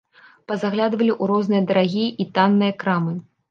Пазаглядвалі ў розныя дарагія і танныя крамы.